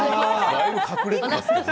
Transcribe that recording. だいぶ隠れてますけどね。